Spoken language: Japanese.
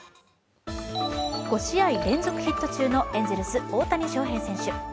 ５試合連続ヒット中のエンゼルス・大谷翔平選手。